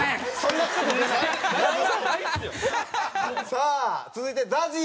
さあ続いてＺＡＺＹ。